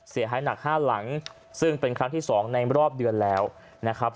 เสียหายหนัก๕หลังซึ่งเป็นครั้งที่๒ในรอบเดือนแล้วนะครับ